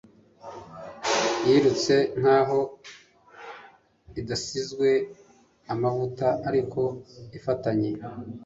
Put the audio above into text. Yirutse nkaho idasizwe amavuta ariko ifatanye